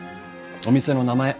お店の名前